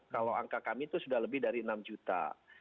kalau angka kami itu sudah lebih dari enam juta